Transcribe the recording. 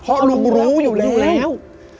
เพราะลุงรู้อยู่แล้ว